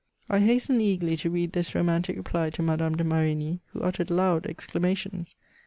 I hastened eagerly to read this romantic reply to Madame de Marigny, who uttered loud exclamations!